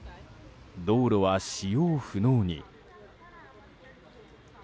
道路は使用不能に。